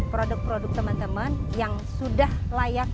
produk produk teman teman yang sudah layak